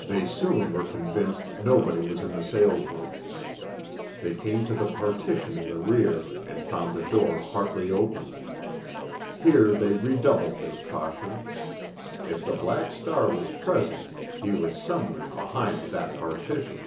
They soon were convinced nobody was in the salesroom. They came to the partition in the rear, and found the door partly open. Here they redoubled their caution. If the Black Star was present he was somewhere behind that partition.